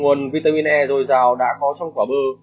nguồn vitamin e dồi dào đã có trong quả bư